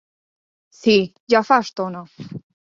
Sí, ja fa estona.